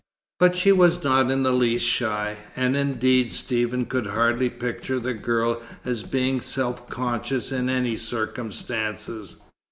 But she was not in the least shy; and indeed Stephen could hardly picture the girl as being self conscious in any circumstances.